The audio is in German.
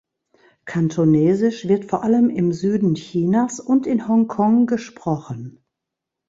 Kantonesisch wird vor allem im Süden Chinas und in Hongkong gesprochen.